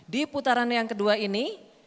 di putaran yang kedua ini